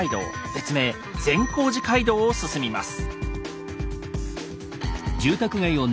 別名「善光寺街道」を進みます。